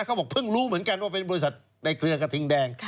เขาบอกเพิ่งรู้เหมือนกันว่าเป็นบริษัทในเครือกระทิงแดง